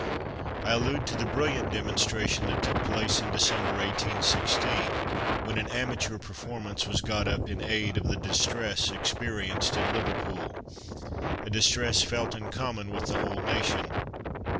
I allude to the brilliant demonstration that took place in December, 1816, when an amateur performance was got up in aid of the distress experienced in Liverpool, a distress felt in common with the whole nation.